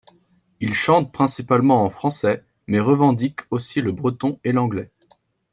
Ils chantent principalement en français, mais revendiquent aussi le breton et l'anglais.